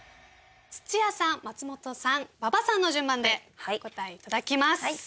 土屋さん松本さん馬場さんの順番でお答えいただきます。